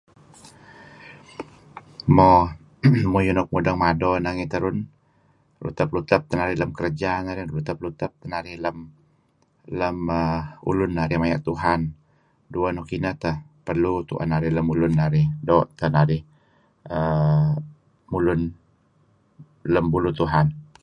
Mo... muyuh nuk mudeng mado nangey terun, lutep-lutep teh narih lem kereja narih, Lutep-lutep narih lem , lem err... ulun narih maya' Tuhan. Dueh ineh teh tu'en narih doo' the narih mulun lem buluh Tuhan.